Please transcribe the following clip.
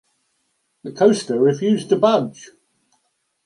The coaster refused to budge.